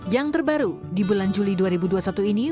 yang terbaru di bulan juli dua ribu dua puluh satu ini